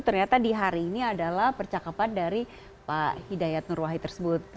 ternyata di hari ini adalah percakapan dari pak hidayat nur wahid tersebut